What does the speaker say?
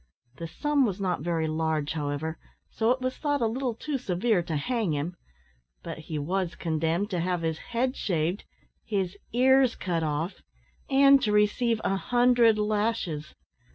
The sum was not very large, however, so it was thought a little too severe to hang him; but he was condemned to have his head shaved, his ears cut off, and to receive a hundred lashes.